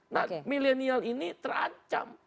nah milenial ini terancam